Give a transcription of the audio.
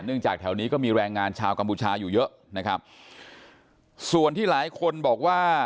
จากแถวนี้ก็มีแรงงานชาวกัมพูชาอยู่เยอะนะครับส่วนที่หลายคนบอกว่า